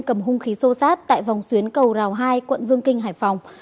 cầm hung khí sô sát tại vòng xuyến cầu rào hai quận dương kinh hải phòng